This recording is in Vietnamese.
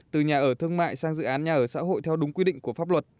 từ nhà ở thương mại sang dự án nhà ở xã hội theo đúng quy định của pháp luật